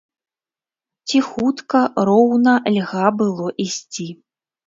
Ціхутка, роўна льга было ісці.